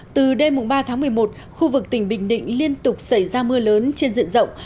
từ đêm ba tháng một mươi một khu vực tỉnh bình định liên tục xảy ra mưa lớn trên diện rộng